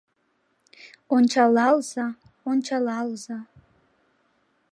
Ончалалза, ончалалза